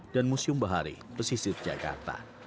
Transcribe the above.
dan museum bahari pesisir jakarta